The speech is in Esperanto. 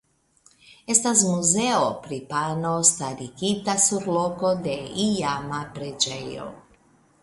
Estas Muzeo pri Pano starigita sur loko de iama preĝejo.